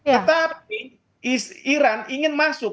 tetapi iran ingin masuk